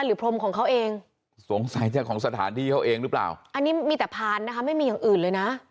พรมของเขาเองสงสัยจะของสถานที่เขาเองหรือเปล่าอันนี้มีแต่พานนะคะไม่มีอย่างอื่นเลยนะ